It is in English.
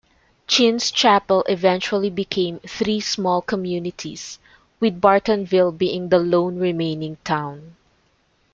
Chinn's Chapel eventually became three small communities, with Bartonville being the lone remaining town.